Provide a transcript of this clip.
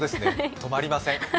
止まりません。